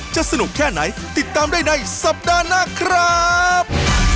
สนุกแค่ไหนติดตามได้ในสัปดาห์หน้าครับ